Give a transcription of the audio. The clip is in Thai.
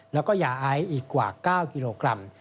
แล้วก็ยาไอซ์อีกกว่า๙กิโลกรัม